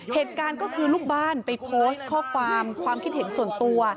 เหตุการณ์ก็คือลูกบ้านไปโพสต์ข้อความความคิดเห็นส่วนตัว